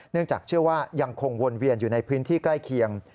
จากเชื่อว่ายังคงวนเวียนอยู่ในพื้นที่ใกล้เคียง